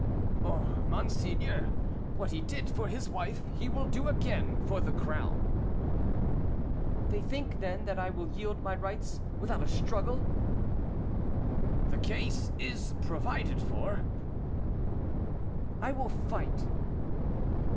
"Oh, monseigneur, what he did for his wife, he will do again for the crown." "They think, then, that I will yield my rights without a struggle." "The case is provided for." "I will fight."